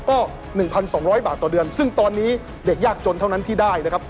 ก็๑๒๐๐บาทต่อเดือนซึ่งตอนนี้เด็กยากจนเท่านั้นที่ได้นะครับ